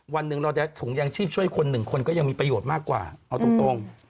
วันหนึ่งเราจะถุงยางชีพช่วยคนหนึ่งคนก็ยังมีประโยชน์มากกว่าเอาตรง